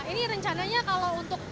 ini rencananya kalau untuk